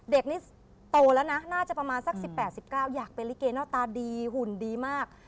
เด็กนี่โตแล้วนะน่าจะประมาณสัก๑๘๑๙อยากเป็นลิเกหน้าตาดีหุ่นดีมาก